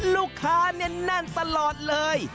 ลูกค้าแน่นตลอดเลย